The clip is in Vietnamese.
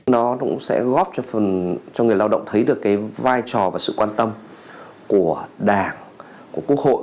nó cũng sẽ góp phần cho người lao động thấy được cái vai trò và sự quan tâm của đảng của quốc hội